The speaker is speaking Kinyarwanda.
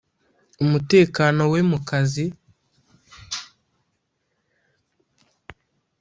umutekano we mu kazi